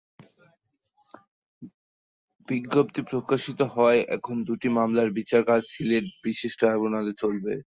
বিজ্ঞপ্তি প্রকাশিত হওয়ায় এখন দুটি মামলার বিচারকাজ সিলেট বিশেষ ট্রাইব্যুনালে চলবে।